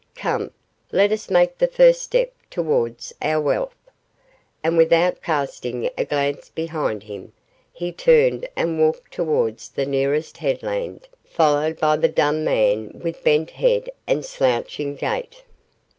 Come, let us make the first step towards our wealth;' and without casting a glance behind him, he turned and walked towards the nearest headland, followed by the dumb man with bent head and slouching gait.